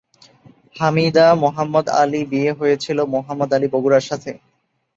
হামিদা মোহাম্মদ আলী বিয়ে হয়েছিল মোহাম্মদ আলী বগুড়ার সাথে।